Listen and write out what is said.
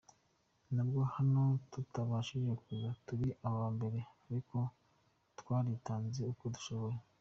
Nubwo hano tutabashije kuza turi aba mbere ariko twaritanze uko dushoboye.